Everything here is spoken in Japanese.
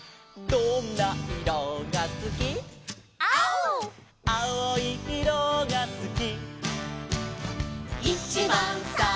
「どんないろがすき」「きいろ」「きいろいいろがすき」